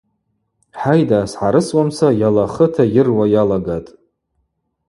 Хӏайда, сгӏарысуамца йалахыта йыруа йалагатӏ.